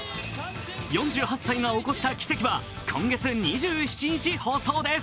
４８歳が起こした奇跡は今月２７日放送です。